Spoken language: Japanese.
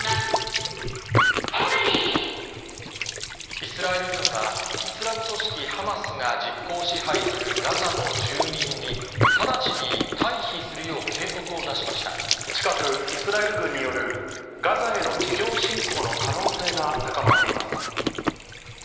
イスラエル軍は、イスラム組織ハマスが実効支配するガザの住民に、直ちに退避する近く、イスラエル軍によるガザへの地上侵攻の可能性が高まっています。